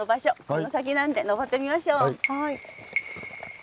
この先なんで登ってみましょう。